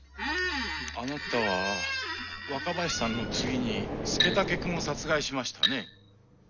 あなたは若林さんの次に佐武くんを殺害しましたね？